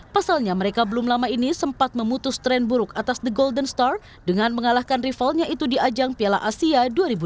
pasalnya mereka belum lama ini sempat memutus tren buruk atas the golden star dengan mengalahkan rivalnya itu di ajang piala asia dua ribu dua puluh